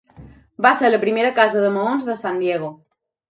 Va ser la primera casa de maons de San Diego.